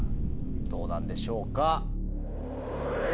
どうなんでしょうか。